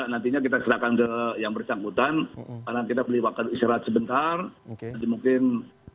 saya serahkan kepada pelatih sinteyong